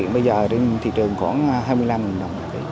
bây giờ trên thị trường khoảng hai mươi năm đồng